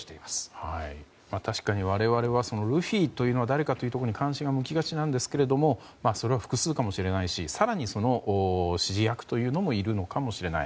我々はルフィというのは誰かというところに関心を向けがちなんですがそれは複数かもしれないし更に、その指示役もいるのかもしれない。